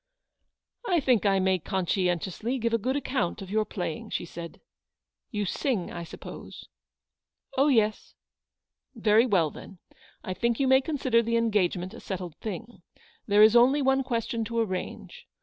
"I think I may conscientiously give a good account of your playing," she said. " You sing, I suppose ?"« Oh, yes." « Very well, then ; I think you may consider MRS. BANNISTER HOLDS OUT A HELPING HAND. 211 the engagement a settled thing. There is only one question to arrange.